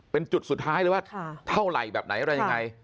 เป็นจุดสุดท้ายเลยว่าเท่าไหร่แบบไหนอะไรยังไง